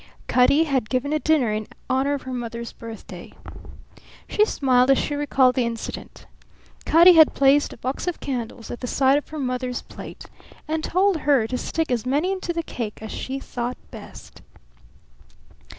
Cutty had given a dinner in honour of her mother's birthday. She smiled as she recalled the incident. Cutty had placed a box of candles at the side of her mother's plate and told her to stick as many into the cake as she thought best.